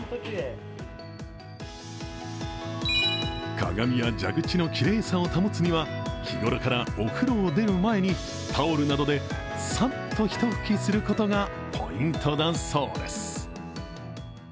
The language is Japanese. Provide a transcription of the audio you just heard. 鏡や蛇口のきれいさを保つには日頃からお風呂を出る前にタオルなどでサッとひと拭きすることがポイントだそうです。